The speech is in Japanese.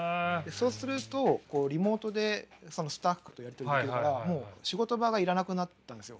そうするとこうリモートでそのスタッフとやり取りできるからもう仕事場が要らなくなったんですよ。